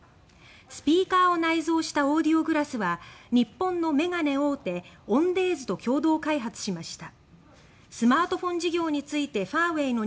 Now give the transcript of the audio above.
スピーカーを内蔵したオーディオグラスは日本の眼鏡大手オンデーズと共同開発しました。